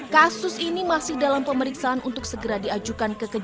kasus ini masih dalam pemeriksaan untuk segera diajukan kekejadiannya